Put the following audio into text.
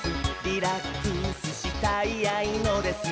「リラックスしたいあいのです」